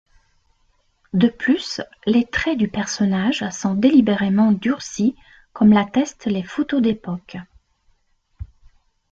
De plus, les traits du personnage sont délibérément durcis comme l'attestent les photos d'époque.